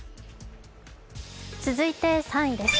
続いて３位です。